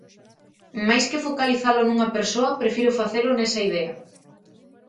Mais que focalizalo nunha persoa, prefiro facelo nesa idea.